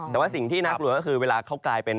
แต่ว่าสิ่งที่น่ากลัวก็คือเวลาเขากลายเป็น